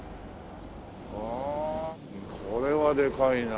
はあこれはでかいな。